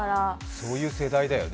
そういう世代だよね。